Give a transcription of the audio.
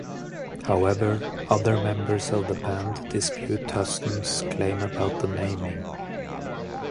However, other members of the band dispute Huston's claim about the naming.